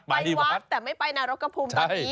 ไปวัดแล้วไม่ไปนรกภูมิตอนนี้